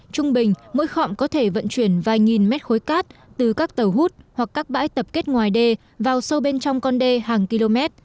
trung bình mỗi khọng có thể vận chuyển vài nghìn mét khối cát từ các tàu hút hoặc các bãi tập kết ngoài đê vào sâu bên trong con đê hàng km